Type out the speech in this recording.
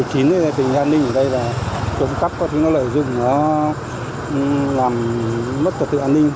tình hình an ninh ở đây là tổng cấp nó lợi dụng nó làm mất tật tự an ninh